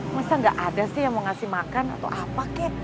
masa gak ada sih yang mau ngasih makan atau apa kek